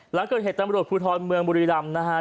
หลังเกิดเหตุตำรวจภูทรเมืองบุรีรำนะฮะ